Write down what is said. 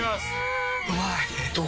んうまい！